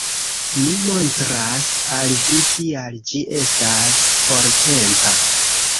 Mi montras al vi kial ĝi estas portempa